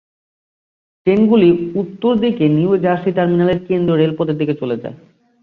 ট্রেনগুলি উত্তর দিকে নিউ জার্সি টার্মিনালের কেন্দ্রীয় রেলপথের দিকে চলে যায়।